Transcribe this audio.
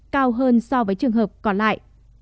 cao hơn so với trường hợp còn lại